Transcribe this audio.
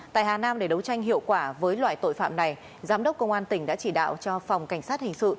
tại hà nam để đấu tranh hiệu quả với loại tội phạm này giám đốc công an tỉnh đã chỉ đạo cho phòng cảnh sát hình sự